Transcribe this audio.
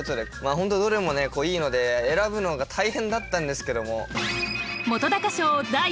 本当どれもいいので選ぶのが大変だったんですけども。